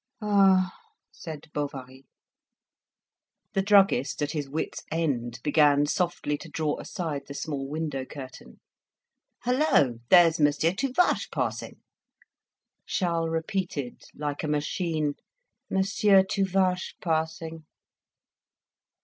"Ah!" said Bovary. The druggist, at his wit's end, began softly to draw aside the small window curtain. "Hallo! there's Monsieur Tuvache passing." Charles repeated like a machine "Monsieur Tuvache passing!"